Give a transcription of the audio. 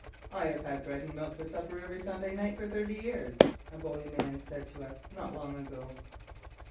"I have had bread and milk for supper every Sunday night for thirty years," a bony man said to us not long ago.